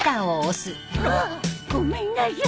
ああっごめんなさい。